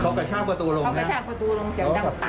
เขาก็ช้าประตูลงให้เขาก็ช้าประตูลงเสียงดังตัง